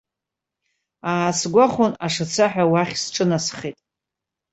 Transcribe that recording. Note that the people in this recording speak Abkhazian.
Аасгәахәын, ашацаҳәа уахь сҿынасхеит.